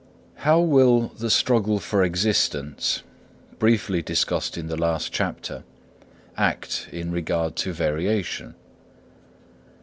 How will the struggle for existence, briefly discussed in the last chapter, act in regard to variation?